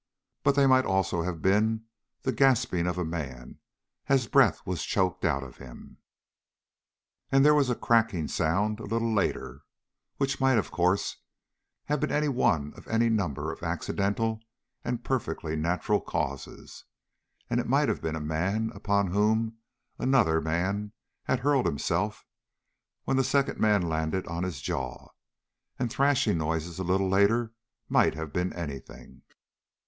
But they might also have been the gasping of a man as breath was choked out of him.... And there was a cracking sound a little later, which might of course have been any one of any number of accidental and perfectly natural causes. And it might have been a man upon whom another man had hurled himself, when the second man landed on his jaw. And thrashing noises a little later might have been anything.